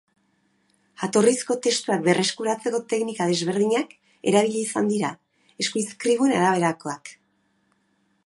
Jatorrizko testuak berreskuratzeko teknika desberdinak erabili izan dira, eskuizkribuen araberakoak.